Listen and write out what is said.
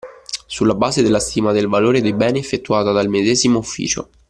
Sulla base della stima del valore dei beni effettuata dal medesimo ufficio